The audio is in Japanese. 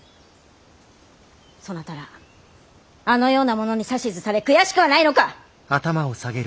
そなたらあのような者に指図され悔しくはないのか！？